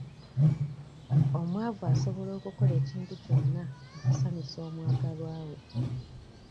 Omwavu asobola okukola ekintu kyonna okusanyusa omwagalwa we.